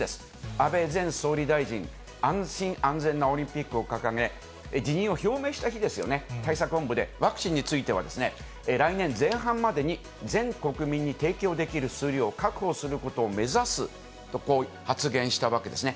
安倍前総理大臣、安心安全なオリンピックを掲げ、辞任を表明した日ですよね、対策本部でワクチンについては来年前半までに、全国民に提供できる数量を確保することを目指すと発言したわけですね。